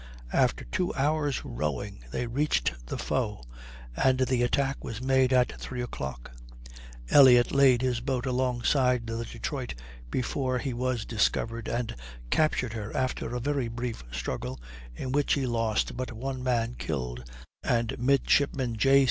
After two hours' rowing they reached the foe, and the attack was made at three o'clock. Elliott laid his boat alongside the Detroit before he was discovered, and captured her after a very brief struggle, in which he lost but one man killed, and Midshipman J.